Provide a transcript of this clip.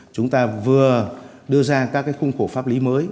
chúng ta vừa đưa ra các khung khổ pháp lý mới